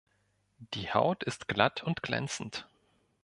Die Haut ist glatt und glänzend.